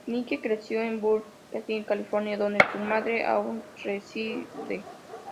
Nikki creció en Culver City, California, donde su madre aún reside.